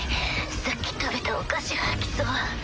さっき食べたお菓子吐きそう。